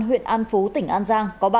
huyện an phú tỉnh an giang có ba đối tượng